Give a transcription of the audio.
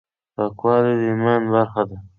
پاکواله د ایمان برخه ده.